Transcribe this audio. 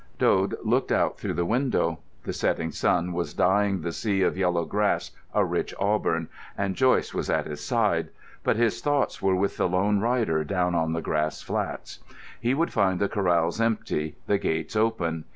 Dode looked out through the window. The setting sun was dyeing the sea of yellow grass a rich auburn, and Joyce was at his side, but his thoughts were with the lone rider down on the grass flats. He would find the corrals empty, the gates open.